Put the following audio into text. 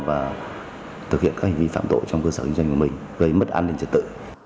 và thực hiện các hành vi phạm tội trong cơ sở kinh doanh của mình gây mất an ninh trật tự